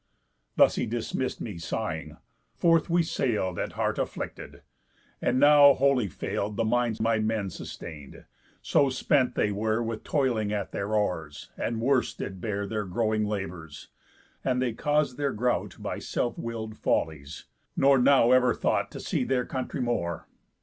Thus he dismiss'd me sighing. Forth we sail'd, At heart afflicted. And now wholly fail'd The minds my men sustain'd, so spent they were With toiling at their oars, and worse did bear Their growing labours; and they caus'd their grought By self will'd follies; nor now ever thought To see their country more.